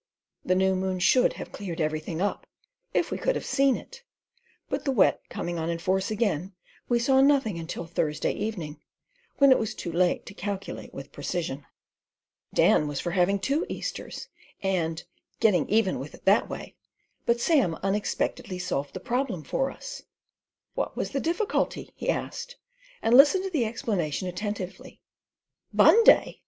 The new moon should have cleared everything up if we could have seen it, but the Wet coming on in force again, we saw nothing till Thursday evening, when it was too late to calculate with precision. Dan was for having two Easters, and "getting even with it that way"; but Sam unexpectedly solved the problem for us. "What was the difficulty?" he asked, and listened to the explanation attentively. "Bunday!"